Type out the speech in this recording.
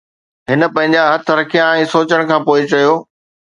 هن پنهنجا هٿ رکيا ۽ سوچڻ کان پوءِ چيو.